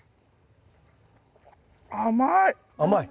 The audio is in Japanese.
甘い！